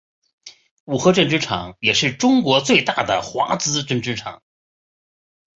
五和针织厂也是中国最大的华资针织厂。